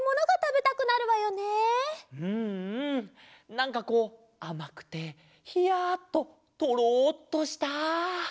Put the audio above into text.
なんかこうあまくてひやっととろっとした。